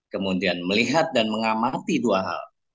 kemudian melihat dan mengamati dua hal